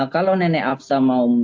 kalau nenek afsa mau